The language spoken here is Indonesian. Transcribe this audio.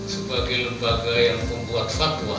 sebagai lembaga yang membuat fatwa